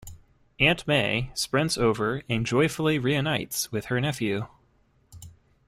Aunt May sprints over and joyfully reunites with her nephew.